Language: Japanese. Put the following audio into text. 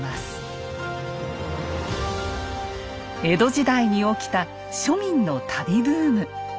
江戸時代に起きた庶民の旅ブーム。